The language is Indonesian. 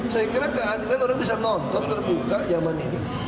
saya kira keadilan orang bisa nonton terbuka zaman ini